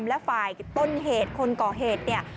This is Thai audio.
และฝ่ายต้นเหตุคนก่อเหตุเนี่ย